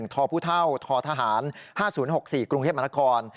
ทพททหาร๕๐๖๔กรุงเทพมนาคม